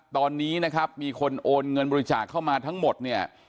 ตอนนี้นะครับมีคนโอนเงินบริจาคเข้ามาทั้งหมดเนี่ย